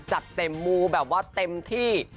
จัดเต็มมูแบบว่าเต็มที่